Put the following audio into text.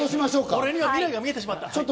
俺には未来が見えてしまった。